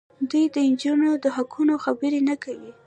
دوی د نجونو د حقونو خبرې نه کوي.